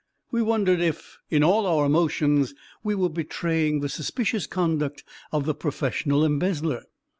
We wondered if, in all our motions, we were betraying the suspicious conduct of the professional embezzler.